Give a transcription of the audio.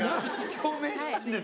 共鳴したんです。